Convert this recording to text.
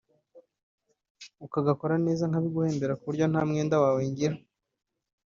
ukagakora neza nkabiguhembera ku buryo nta mwenda wawe ngira